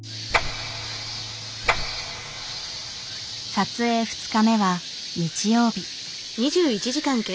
撮影２日目は日曜日。